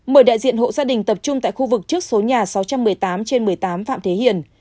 mời đại diện hộ gia đình tập trung tại khu vực trước số nhà sáu trăm một mươi tám trên một mươi tám phạm thế hiền